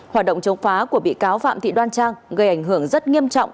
hoạt động chống phá của bị cáo phạm thị đoan trang gây ảnh hưởng rất nghiêm trọng